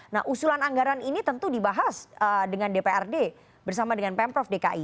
nah usulan anggaran ini tentu dibahas dengan dprd bersama dengan pemprov dki